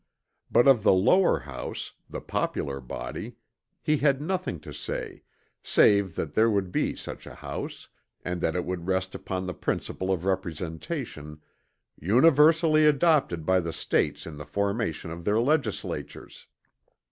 But of the lower house, the popular body, he had nothing to say save that there would be such a house, and that it would rest upon the principle of representation "universally adopted by the States in the formation of their legislatures."